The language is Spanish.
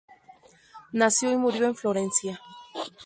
Nació y murió en Florencia.